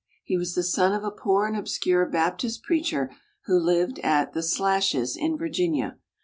He was the son of a poor and obscure Baptist preacher who lived at "The Slashes," in Virginia.